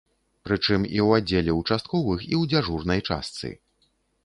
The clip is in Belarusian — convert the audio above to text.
Прычым, і ў аддзеле участковых, і ў дзяжурнай частцы.